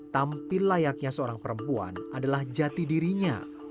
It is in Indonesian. tampil layaknya seorang perempuan adalah jati dirinya